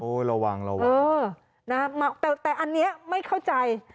โอ๊ยระวังนะครับแต่อันนี้ไม่เข้าใจ